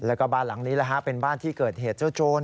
แล้วก็บ้านหลังนี้เป็นบ้านที่เกิดเหตุเจ้าโจร